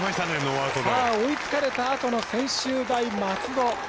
追いつかれたあとの専修大松戸。